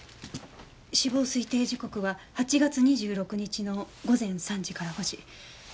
死亡推定時刻は８月２６日の午前３時から５時。